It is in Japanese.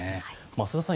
増田さん